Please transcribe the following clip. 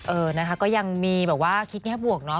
เออนะคะก็ยังมีแบบว่าคิดแง่บวกเนาะ